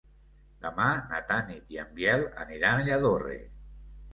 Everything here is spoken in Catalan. Demà na Tanit i en Biel aniran a Lladorre.